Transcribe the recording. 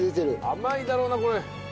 甘いだろうなこれ。